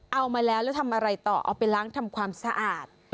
เอามาแล้วแล้วทำอะไรต่อเอาไปล้างทำความสะอาด